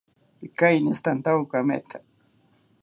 Pikeinistantawo kametha